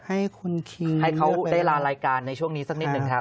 ให้เขาได้ลารายการในช่วงนี้สักนิดนึงครับ